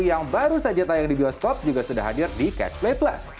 yang baru saja tayang di bioskop juga sudah hadir di catch play plus